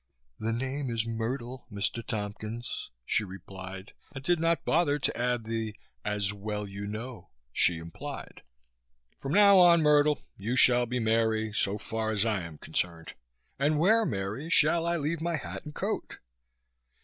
"The name is Myrtle, Mr. Tompkins," she replied, and did not bother to add the "as well you know" she implied. "From now on, Myrtle, you shall be Mary so far as I am concerned. And where, Mary, shall I leave my hat and coat?"